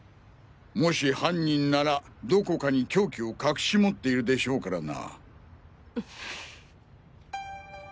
もし犯人ならどこかに凶器を隠し持っているでしょうからな。